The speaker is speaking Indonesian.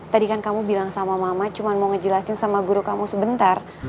tadi kan kamu bilang sama mama cuma mau ngejelasin sama guru kamu sebentar